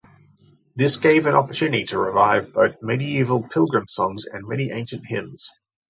This gave an opportunity to revive both medieval pilgrim songs and many ancient hymns.